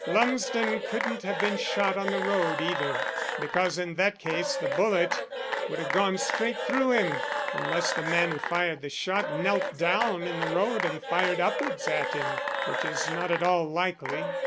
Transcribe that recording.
"Lumsden couldn't have been shot on the road, either, because in that case the bullet would have gone straight through him unless the man who fired the shot knelt down in the road and fired upwards at him, which is not at all likely.